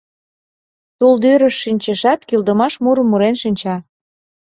Тулдӱрыш шинчешат, кӱлдымаш мурым мурен шинча.